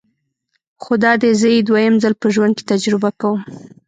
خو دادی زه یې دویم ځل په ژوند کې تجربه کوم.